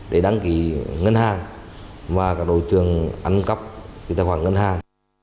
để đăng ký ngân hàng mà các đối tượng ăn cắp tài khoản ngân hàng